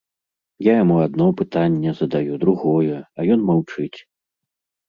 Я яму адно пытанне задаю, другое, а ён маўчыць.